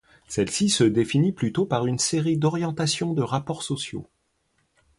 Celle-ci se définit plutôt par une série d’orientation de rapports sociaux